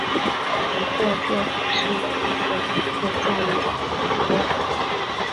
不过这不失为一个机会教育的好机会